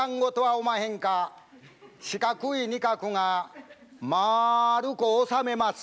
四角い仁鶴がまるくおさめます！